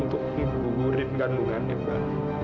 maya perusahaan untuk ibu ibu di pengandungan ya mbak